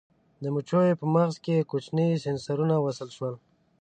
د مچیو په مغزو کې کوچني سېنسرونه وصل شول.